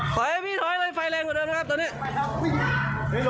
ขอให้พี่น้อยเลยไฟแรงกว่าเดิมนะครับตอนนี้